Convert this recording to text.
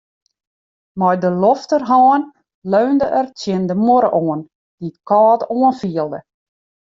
Mei de lofterhân leunde er tsjin de muorre oan, dy't kâld oanfielde.